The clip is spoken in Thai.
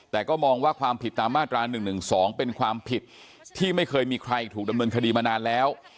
แต่ก็มองว่าความผิดตามมาตรา๑๑๒เป็นความผิดที่ไม่เคยมีใครถูกดำเนินคดีมานานแล้ว